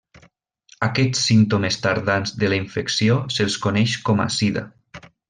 Aquests símptomes tardans de la infecció se'ls coneix com la sida.